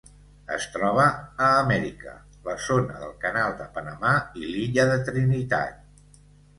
Es troba a Amèrica: la Zona del Canal de Panamà i l'illa de Trinitat.